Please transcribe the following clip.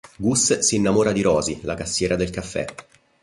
Gus si innamora di Rosy, la cassiera del caffè.